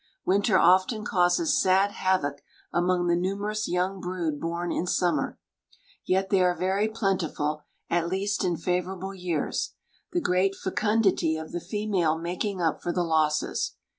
Winter often causes sad havoc among the numerous young brood born in summer. Yet they are very plentiful, at least in favorable years, the great fecundity of the female making up for the losses.